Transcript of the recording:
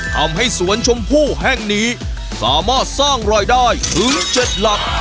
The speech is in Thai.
ทำให้สวนชมพู่แห่งนี้สามารถสร้างรายได้ถึง๗หลัก